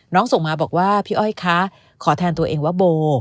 ส่งมาบอกว่าพี่อ้อยคะขอแทนตัวเองว่าโบ